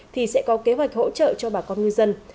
thì sẽ có kế hoạch hỗ trợ cho bà con ngư dân